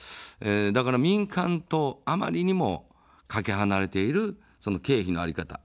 だから民間とあまりにもかけ離れている経費の在り方。